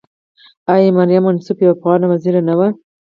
آیا مریم منصف یوه افغانه وزیره نه وه؟